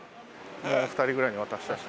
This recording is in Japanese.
もう２人ぐらいに渡したいですね。